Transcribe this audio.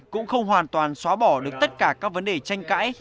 cũng không hoàn toàn xóa bỏ được tất cả các vấn đề tranh cãi